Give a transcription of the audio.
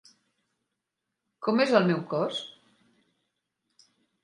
Com és el seu cos?